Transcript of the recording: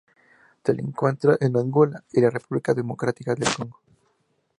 Se le encuentra en Angola y la República Democrática del Congo.